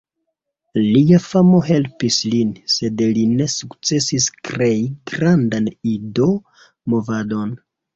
Lia famo helpis lin; sed li ne sukcesis krei grandan Ido-movadon.